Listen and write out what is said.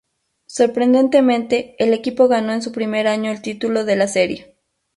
Sorprendentemente, el equipo ganó en su primer año, el título de la serie.